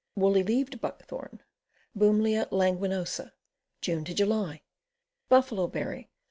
Woolly leaved Buckthorn. Bumelia languinosa. June July. Buffalo berry.